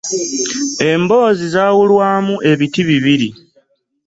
Emboozi zaawulwamu ebiti bibiri.